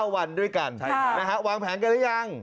วันด้วยกันวางแผนกันหรือยัง